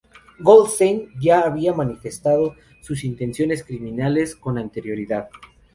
Goldstein ya había manifestado sus intenciones criminales con anterioridad.